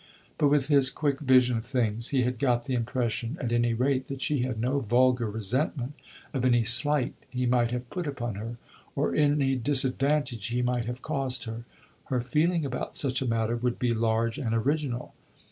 But, with his quick vision of things, he had got the impression, at any rate, that she had no vulgar resentment of any slight he might have put upon her, or any disadvantage he might have caused her. Her feeling about such a matter would be large and original.